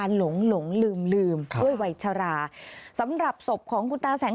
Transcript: แต่หลังจากล้มป่วยกลับมาอยู่บ้านกับคุณยายนี่แหละ